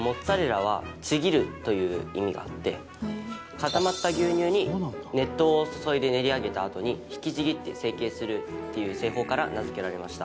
固まった牛乳に熱湯を注いで練り上げたあとに引きちぎって成形するっていう製法から名付けられました。